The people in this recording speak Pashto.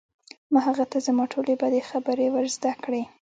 ما هغه ته زما ټولې بدې خبرې ور زده کړې